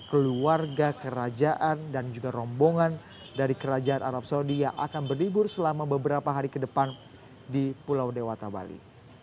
keluarga kerajaan dan juga rombongan dari kerajaan arab saudi yang akan berlibur selama beberapa hari ke depan di pulau dewata bali